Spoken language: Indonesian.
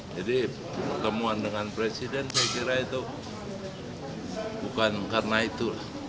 jadi pertemuan dengan presiden saya kira itu bukan karena itu